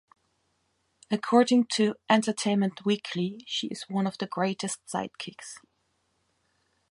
According to "Entertainment Weekly" she is one of the "greatest sidekicks.